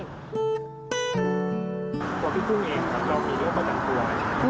พี่พุ่งเองครับเรามีเลือดประจำตัวไหม